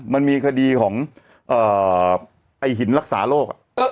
มันมีคดีของไอ้หินรักษาโรค